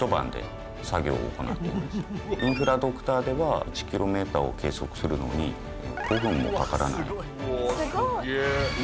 インフラドクターでは１ｋｍを計測するのに５分もかからない。